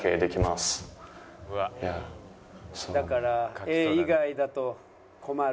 「だから画以外だと困る」。